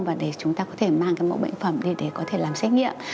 và để chúng ta có thể mang cái mẫu bệnh phẩm đi để có thể làm xét nghiệm